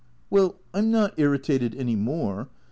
" Well, I 'm not irritated any more.